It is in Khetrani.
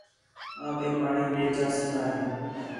آپیک پاݨی ݙے چا سٹین٘دا ہِے